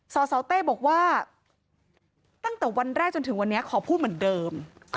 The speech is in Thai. สสเต้บอกว่าตั้งแต่วันแรกจนถึงวันนี้ขอพูดเหมือนเดิม